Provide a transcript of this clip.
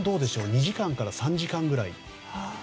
２時間から３時間ぐらい。